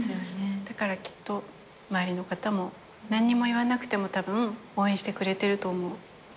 だからきっと周りの方も何にも言わなくてもたぶん応援してくれてると思う。